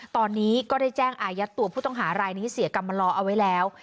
ตอนนี้ก็ได้แจ้งอายัดตัวผู้ต้องหารายนี้เสียกรรมลอเอาไว้แล้ว